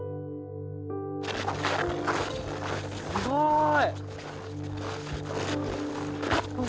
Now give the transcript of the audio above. すごい！